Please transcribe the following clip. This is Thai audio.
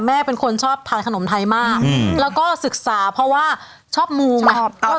แม่เป็นคนชอบทานขนมไทยมากแล้วก็ศึกษาเพราะว่าชอบมูไง